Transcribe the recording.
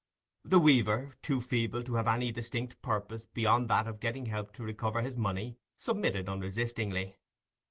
The weaver, too feeble to have any distinct purpose beyond that of getting help to recover his money, submitted unresistingly.